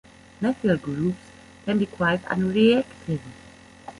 Methyl groups can be quite unreactive.